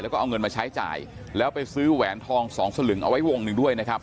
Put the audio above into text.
แล้วก็เอาเงินมาใช้จ่ายแล้วไปซื้อแหวนทองสองสลึงเอาไว้วงหนึ่งด้วยนะครับ